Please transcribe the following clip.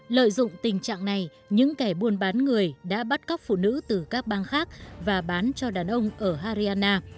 lợi dụng tình trạng này những kẻ buôn bán người đã bắt cóc phụ nữ từ các bang khác và bán cho đàn ông ở hariana